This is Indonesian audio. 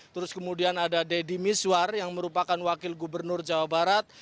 terus kemudian ada deddy miswar yang merupakan wakil gubernur jawa barat